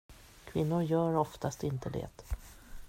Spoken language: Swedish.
Kvinnor gör oftast inte det.